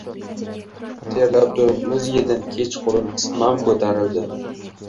Terlab turib muz yedim. Kechqurun isitma ko‘tarildi.